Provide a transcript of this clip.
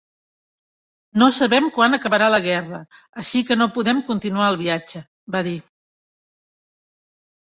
"No sabem quan acabarà la guerra, així que no podem continuar el viatge" va dir.